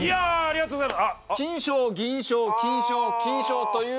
ありがとうございます。